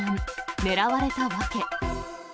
狙われた訳。